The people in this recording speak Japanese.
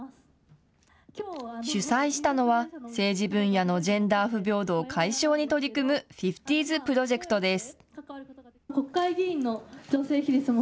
主催したのは政治分野のジェンダー不平等解消に取り組むＦＩＦＴＹＳＰＲＯＪＥＣＴです。